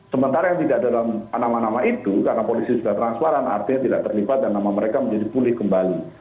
sementara yang tidak dalam nama nama itu karena polisi sudah transparan artinya tidak terlibat dan nama mereka menjadi pulih kembali